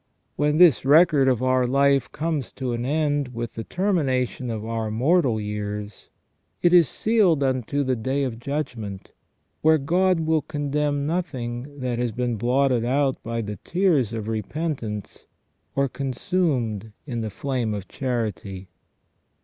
When this record of our life comes to an end with the termination of our mortal years, it is sealed unto the day of judgment, where God will condemn nothing that has been blotted out by the tears of repentance, or consumed in the flame of charity.